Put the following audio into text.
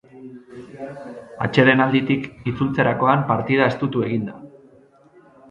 Atsedenalditik itzultzerakoan partida estutu egin da.